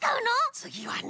つぎはね。